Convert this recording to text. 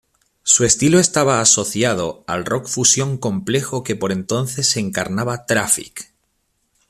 Su estilo estaba asociado al rock fusión complejo que por entonces encarnaba Traffic.